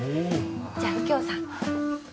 じゃあ右京さん。